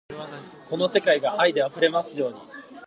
この世界が愛で溢れますように